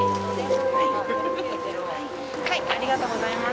ありがとうございます。